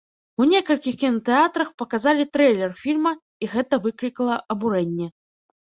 У некалькіх кінатэатрах паказалі трэйлер фільма, і гэта выклікала абурэнне.